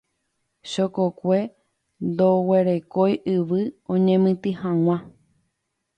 Chokokue ndoguerekói yvy oñemitỹ hag̃ua.